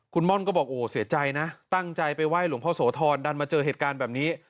คุณม่อนก็บอกโอ้โหเสียใจนะตั้งใจไปไห้หลวงพ่อโสธรดันมาเจอเหตุการณ์แบบนี้